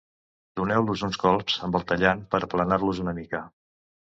Doneu-los uns colps amb el tallant per a aplanar-los una mica.